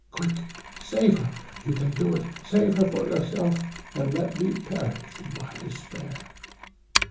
Quick! save her! You can do it save her for yourself, and let me perish in my despair!"